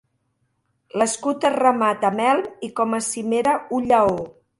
L'escut es remata amb elm i com a cimera un lleó.